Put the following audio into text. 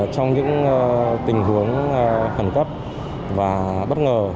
trong những tình huống khẩn cấp và bất ngờ